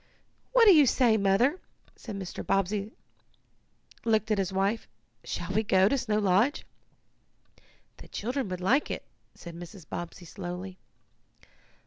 "What do you say, Mother?" and Mr. Bobbsey looked at his wife. "Shall we go to Snow Lodge?" "The children would like it," said Mrs. Bobbsey slowly.